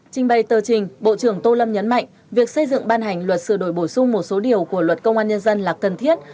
trình bày tờ trình bộ trưởng tô lâm nhấn mạnh việc xây dựng ban hành luật sửa đổi bổ sung một số điều của luật công an nhân dân là cần thiết